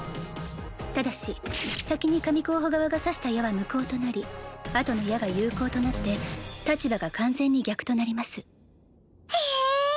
ただし先に神候補側が刺した矢は無効となりあとの矢が有効となって立場が完全に逆となりますへえ！